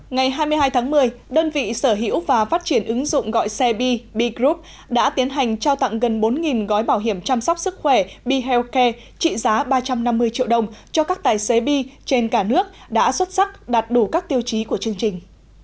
ngày hai mươi hai tháng một mươi đơn vị sở hữu và phát triển ứng dụng gọi xe bi bi group đã tiến hành trao tặng gần bốn gói bảo hiểm chăm sóc sức khỏe bihealthcare trị giá ba trăm năm mươi triệu đồng cho các tài xế bi trên cả nước đã xuất sắc đạt đủ các tiêu chí của chương trình